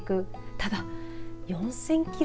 ただ、４０００キロ。